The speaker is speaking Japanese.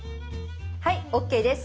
はいＯＫです。